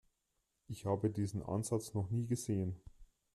Ich habe diesen Ansatz noch nie gesehen.